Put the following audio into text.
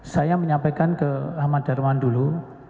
saya menyampaikan ke ahmad darwan dulu